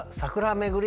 巡り